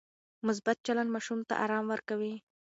مثبت چلند ماشوم ته ارام ورکوي.